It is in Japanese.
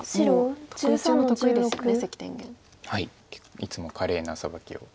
いつも華麗なサバキを。